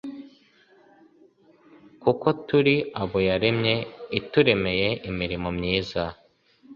kuko turi abo yaremye ituremeye imirimo myiza